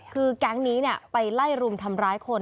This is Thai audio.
คือแก๊งนี้ไปไล่รุมทำร้ายคน